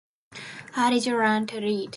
How did you learn to read?